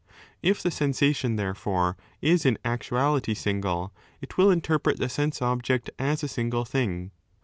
^ If the sensation, therefore, is in actuality single, it will interpret the sense object s as a single thing.